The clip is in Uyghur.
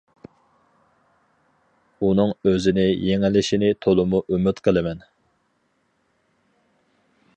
ئۇنىڭ ئۆزىنى يېڭىلىشىنى تولىمۇ ئۈمىد قىلىمەن.